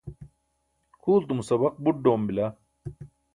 kʰultumo sabaq buṭ ḍoom bila